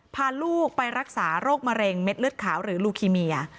พาลูกไปรักษาโรคมะเร็งเม็ดเลือดขาวหรือลูคีเมีย